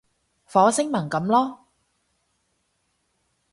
火星文噉囉